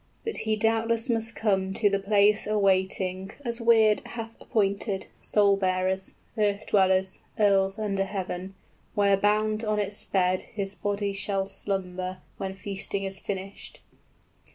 but he doubtless must come to The place awaiting, as Wyrd hath appointed, 15 Soul bearers, earth dwellers, earls under heaven, Where bound on its bed his body shall slumber {Hrothgar goes to the banquet.} When feasting is finished.